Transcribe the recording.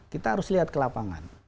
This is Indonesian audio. kita harus lihat ke lapangan